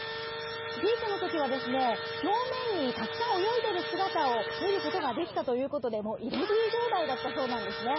ピークの時は表面にたくさん泳いでいる姿を見ることができたということで入れ食い状態だったそうなんですね。